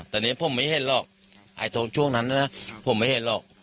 ตอนนี้พวกมันไม่เห็นหรอกไอ้ทรงช่วงนั้นนะพวกมันไม่เห็นหรอก